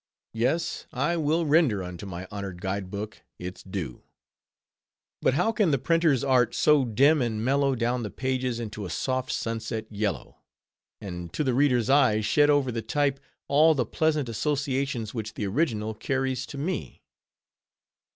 Yes, I will render unto my honored guide book its due. But how can the printer's art so dim and mellow down the pages into a soft sunset yellow; and to the reader's eye, shed over the type all the pleasant associations which the original carries to me!